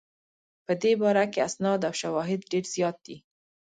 په دې باره کې اسناد او شواهد ډېر زیات دي.